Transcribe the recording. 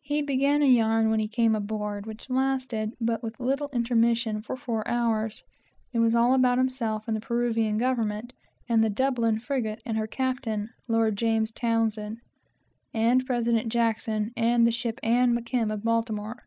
He began a "yarn" when he came on board, which lasted, with but little intermission, for four hours. It was all about himself, and the Peruvian government, and the Dublin frigate, and Lord James Townshend, and President Jackson, and the ship Ann M'Kim of Baltimore.